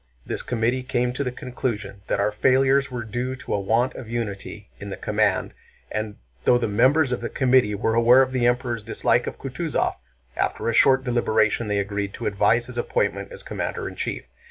This committee came to the conclusion that our failures were due to a want of unity in the command and though the members of the committee were aware of the Emperor's dislike of Kutúzov, after a short deliberation they agreed to advise his appointment as commander in chief.